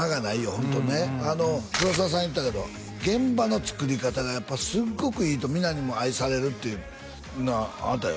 ホントね黒沢さん言ってたけど現場の作り方がすっごくいいと皆にも愛されるっていうあなたよ？